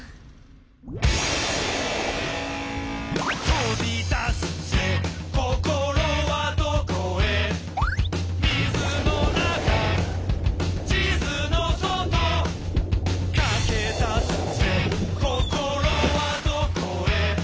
「飛び出すぜ心はどこへ」「水の中地図の外」「駆け出すぜ心はどこへ」